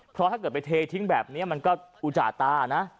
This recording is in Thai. เพราะถ้าเกิดไปเททิ้งแบบนี้มันก็อุจจาตานะ